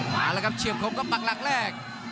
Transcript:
มาแล้วครับเฉียบคมก็ปักหลักแรก